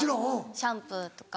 シャンプーとか。